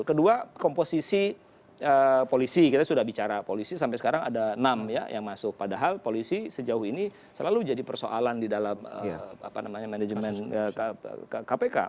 kedua komposisi polisi kita sudah bicara polisi sampai sekarang ada enam ya yang masuk padahal polisi sejauh ini selalu jadi persoalan di dalam manajemen kpk